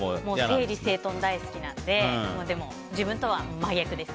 整理整頓が大好きなので自分とは真逆です。